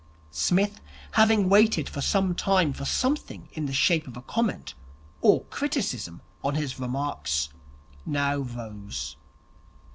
Psmith, having waited for some time for something in the shape of comment or criticism on his remarks, now rose.